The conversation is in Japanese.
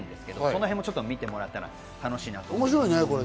そのへんも見てもらえたら楽しいと思います。